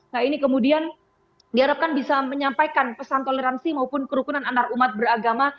nah ini kemudian diharapkan bisa menyampaikan pesan toleransi maupun kerukunan antarumat beragama